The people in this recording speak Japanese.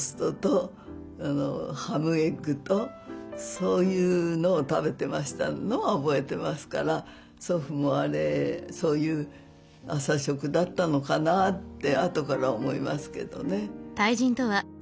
そういうのを食べてましたのは覚えてますから祖父もそういう朝食だったのかなってあとから思いますけどね。